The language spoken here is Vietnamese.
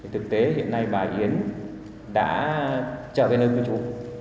thực tế hiện nay bà yến đã trở về nơi cư trú